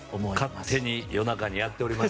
勝手に夜中にやっております。